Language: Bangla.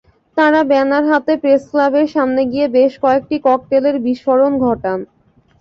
তাঁরা ব্যানার হাতে প্রেসক্লাবের সামনে গিয়ে বেশ কয়েকটি ককটেলের বিস্ফোরণের ঘটান।